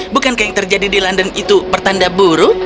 bukankah yang terjadi di london itu pertanda buruk